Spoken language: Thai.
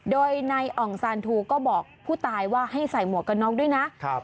โดยนายอ่องซานทูก็บอกผู้ตายว่าให้ใส่หมวกกันน็อกด้วยนะ